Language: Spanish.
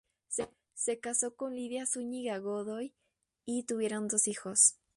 Se casó con Lidia Zúñiga Godoy y tuvieron dos hijos.